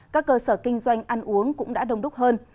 các cơ sở kinh doanh ăn uống cũng đã đông đúc hơn